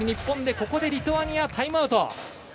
ここでリトアニア、タイムアウト。